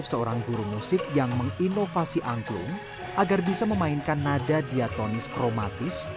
seorang guru musik yang menginovasi angklung agar bisa memainkan nada diatonis kromatis